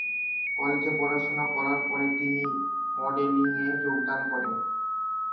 কলেজে পড়াশোনা করার পরে তিনি মডেলিংয়ে যোগদান করেন।